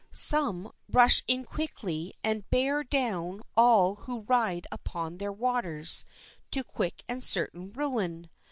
Some rush in quickly and bear down all who ride upon their waters to quick and certain ruin.